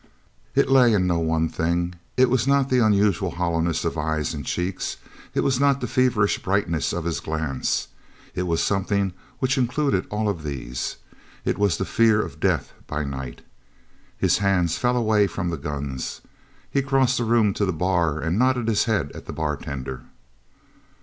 It lay in no one thing. It was not the unusual hollowness of eyes and cheeks. It was not the feverish brightness of his glance. It was something which included all of these. It was the fear of death by night! His hands fell away from the guns. He crossed the room to the bar and nodded his head at the bartender.